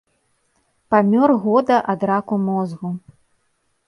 Памёр года ад раку мозгу.